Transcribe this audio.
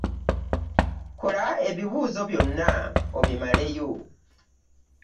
Kola ebibuuzo byonna obimaleyo.